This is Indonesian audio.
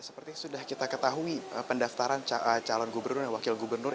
seperti sudah kita ketahui pendaftaran calon gubernur dan wakil gubernur